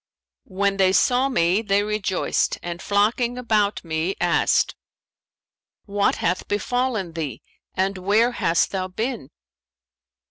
When they saw me, they rejoiced and flocking about me, asked, 'What hath befallen thee, and where hast thou been?'